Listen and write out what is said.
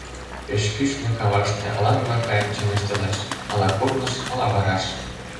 Пеш кӱшнӧ, каваште ала-могай кайык чоҥештылеш, — ала курныж, ала вараш.